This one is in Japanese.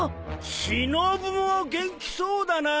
しのぶも元気そうだな。